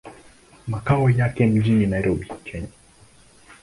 Makao yake mjini Nairobi, Kenya.